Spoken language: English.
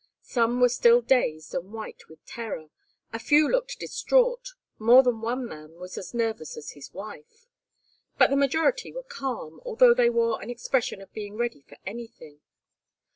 Some were still dazed and white with terror, a few looked distraught; more than one man was as nervous as his wife. But the majority were calm, although they wore an expression of being ready for anything.